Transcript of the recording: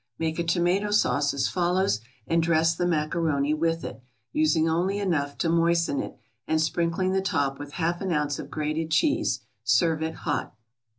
Make a tomato sauce as follows, and dress the macaroni with it, using only enough to moisten it, and sprinkling the top with half an ounce of grated cheese; serve it hot.